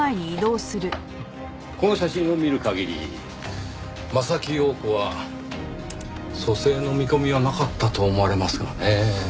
この写真を見る限り柾庸子は蘇生の見込みはなかったと思われますがねぇ。